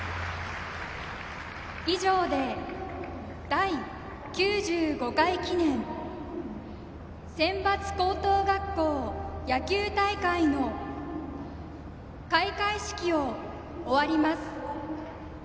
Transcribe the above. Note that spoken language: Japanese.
以上で、第９５回記念選抜高等学校野球大会の開会式を終わります。